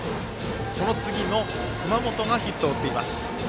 この次の熊本がヒットを打っています。